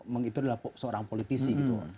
mengitur adalah seorang politisi